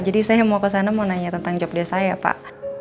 jadi saya mau ke sana mau nanya tentang job dia saya pak